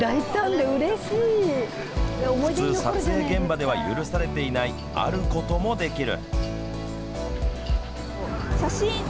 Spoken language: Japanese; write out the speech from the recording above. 普通、撮影現場では許されていないあることもできる。